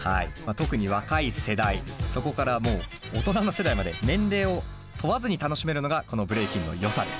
特に若い世代そこからもう大人の世代まで年齢を問わずに楽しめるのがこのブレイキンのよさです。